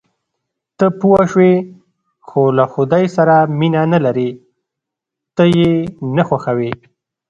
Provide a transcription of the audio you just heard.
ته پوه شوې، خو له خدای سره مینه نه لرې، ته یې نه خوښوې.